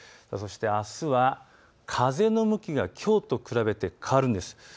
そしてあすは風の向きがきょうと比べると変わるんです。